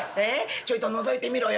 ちょいとのぞいてみろよ。